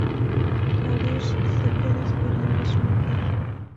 Parish se queda esperando a su mujer.